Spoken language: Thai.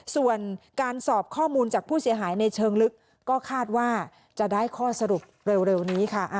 ส่วนการสอบข้อมูลจากผู้เสียหายในเชิงลึกก็คาดว่าจะได้ข้อสรุปเร็วนี้ค่ะ